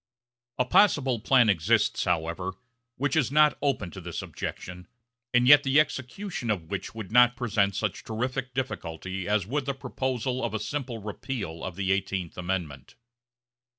A possible plan exists, however, which is not open to this objection, and yet the execution of which would not present such terrific difficulty as would the proposal of a simple repeal of the Eighteenth Amendment.